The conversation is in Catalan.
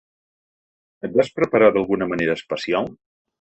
Et vas preparar d’alguna manera especial?